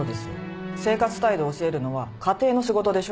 生活態度を教えるのは家庭の仕事でしょ？